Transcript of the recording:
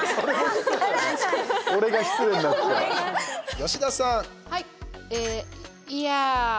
吉田さん！